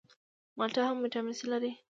مالټه هم ویټامین سي لري